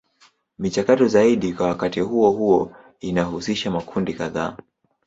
Michakato zaidi kwa wakati huo huo inahusisha makundi kadhaa.